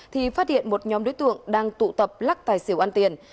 thì phát hiện một nhóm đối tượng đang tụ tập lắc tài xỉu ăn tiền